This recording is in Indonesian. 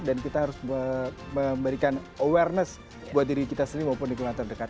dan kita harus memberikan awareness buat diri kita sendiri maupun di keluarga terdekat